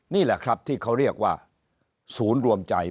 นี่แหละครับที่เขาเรียกว่าศูนย์รวมใจ